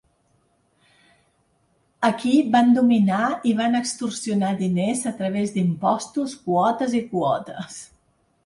Aquí van dominar i van extorsionar diners a través d'impostos, quotes i quotes.